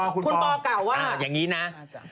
คุณปอล์กลาก่อว่า